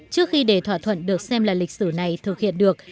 trước khi để thỏa thuận được xem là lịch sử này thực hiện được